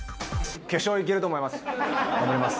決勝いけると思います。